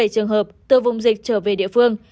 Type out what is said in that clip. hai mươi bảy trường hợp từ vùng dịch trở về địa phương